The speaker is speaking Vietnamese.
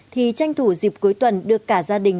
thì tranh thủ dịp cuối tuần được cả gia đình